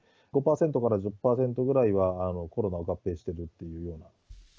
５％から１０％ぐらいは、コロナを併発しているというような。